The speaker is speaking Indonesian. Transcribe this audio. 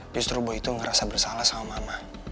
justru buah itu ngerasa bersalah sama mama